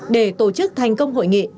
để tổ chức thành công hội nghị